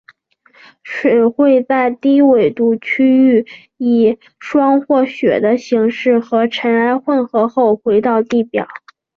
水会在低纬度区域以霜或雪的形式和尘埃混合后回到地表。